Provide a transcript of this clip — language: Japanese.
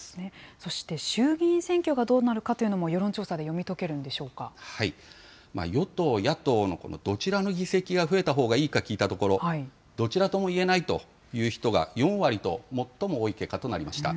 そして衆議院選挙がどうなるかというのも、世論調査で読み解与党、野党のこのどちらの議席が増えたほうがいいか聞いたところ、どちらともいえないという人が４割と、最も多い結果となりました。